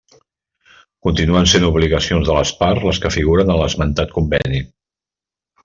Continuen sent obligacions de les parts les que figuren en l'esmentat conveni.